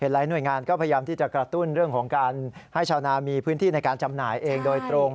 หลายหน่วยงานก็พยายามที่จะกระตุ้นเรื่องของการให้ชาวนามีพื้นที่ในการจำหน่ายเองโดยตรง